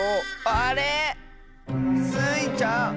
あれ⁉スイちゃん！